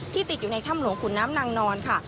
ติดอยู่ในถ้ำหลวงขุนน้ำนางนอนค่ะ